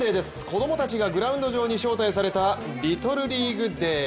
子供たちがグラウンド上に招待されたリトルリーグデー。